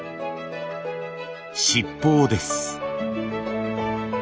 「七宝」です。